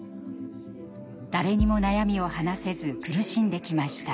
誰にも悩みを話せず苦しんできました。